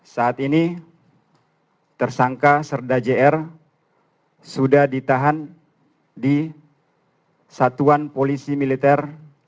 saat ini tersangka serda jr sudah ditahan di satuan polisi militer